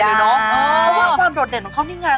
เพราะว่าความโดดเด่นของเขานี่ไง